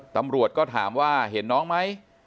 ตำรวจก็ถามว่าเห็นน้องไหม